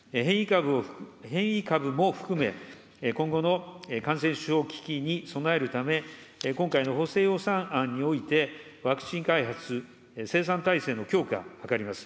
変異株も含め、今後の感染症危機に備えるため、今回の補正予算案において、ワクチン開発、生産体制の強化、図ります。